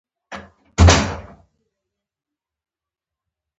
ښوونکی زده کوونکو ته کورنۍ دنده ورکوي